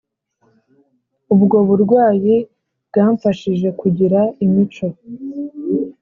Ubwo burwayi bwamfashije kugira imico